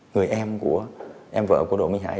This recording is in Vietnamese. người em của em vợ của đỗ minh hải